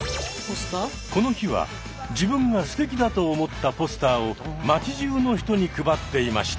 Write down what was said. この日は自分がすてきだと思ったポスターを街じゅうの人に配っていました。